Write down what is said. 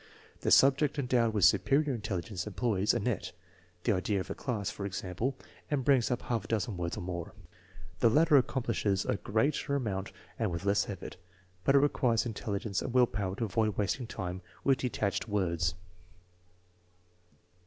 The subject endowed with superior intelligence employs a net (the idea of a class, for example) and brings up a half dozen words or more. The latter accomplishes a greater amount and with less effort; but it requires intelli gence and will power to avoid wasting time with detached words.